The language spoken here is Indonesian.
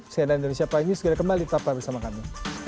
saya dandry siapa ini segala kembali tetap bersama kami